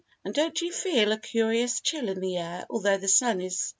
"And don't you feel a curious chill in the air although the sun is still bright?"